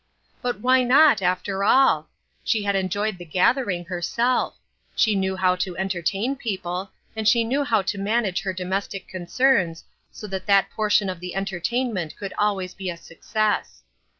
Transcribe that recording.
But why not, after all ? She had enjoyed the gathering herself; she knew how to entertain people, and she knew how to manage her domestic concerns, so that that portion of the entertainment could always be a success.